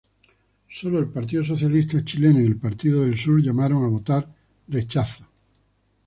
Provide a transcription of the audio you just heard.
Sólo el Partido Socialista Chileno y el Partido del Sur llamaron a votar "Rechazo".